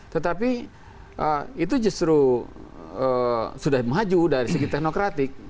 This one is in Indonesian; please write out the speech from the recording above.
tetapi itu justru sudah maju dari segi teknokratik